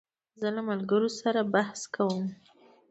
زه له ملګرو سره بحث کوم.